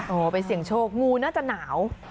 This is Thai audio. โอ้โหไปเสี่ยงโชคงูน่าจะหนาว